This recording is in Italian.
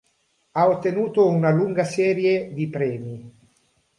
Ha ottenuto una lunga serie di premi.